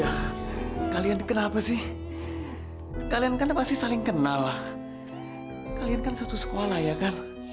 ah kalian kenapa sih kalian kan pasti saling kenal lah kalian kan satu sekolah ya kan